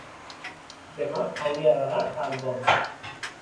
demà hauria d'anar a Albons.